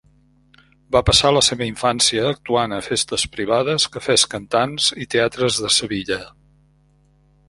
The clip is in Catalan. Va passar la seva infància actuant a festes privades, cafès cantants i teatres de Sevilla.